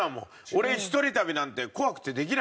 俺一人旅なんて怖くてできないもん。